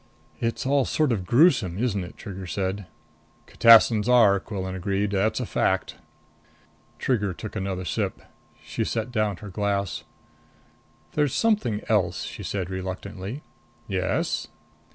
"It's all sort of gruesome, isn't it?" Trigger said. "Catassins are," Quillan agreed. "That's a fact." Trigger took another sip. She set down her glass. "There's something else," she said reluctantly. "Yes?"